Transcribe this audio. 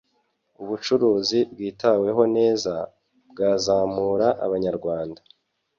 ubucuruzi bwitaweho neza bwazamura abanyarwanda